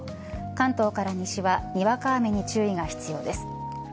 関東から西は、にわか雨に注意が必要です。